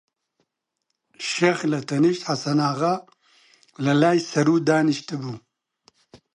شێخ لەتەنیشت حەسەناغا لە لای سەروو دانیشتبوو